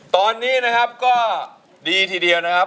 ตอนนี้นะครับก็ดีทีเดียวนะครับ